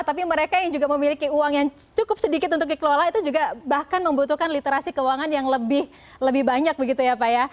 tapi mereka yang juga memiliki uang yang cukup sedikit untuk dikelola itu juga bahkan membutuhkan literasi keuangan yang lebih banyak begitu ya pak ya